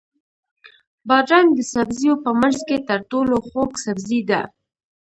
بادرنګ د سبزیو په منځ کې تر ټولو خوږ سبزی ده.